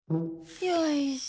よいしょ！